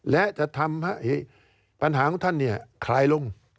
และจะทำให้ปัญหาของท่านคลายลง